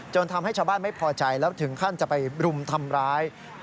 ทำให้ชาวบ้านไม่พอใจแล้วถึงขั้นจะไปรุมทำร้าย